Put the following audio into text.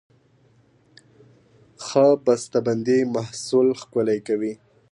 ښه بسته بندي محصول ښکلی کوي.